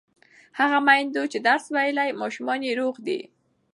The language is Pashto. هغه میندو چې درس ویلی، ماشومان یې روغ دي.